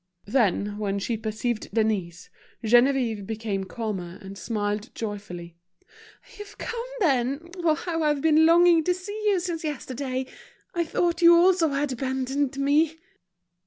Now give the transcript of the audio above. Then, when she perceived Denise, Geneviève became calmer, and smiled joyfully. "You've come, then! How I've been longing to see you since yesterday. I thought you also had abandoned me!"